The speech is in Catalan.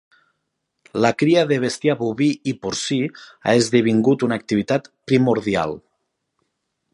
La cria de bestiar boví i porcí ha esdevingut una activitat primordial.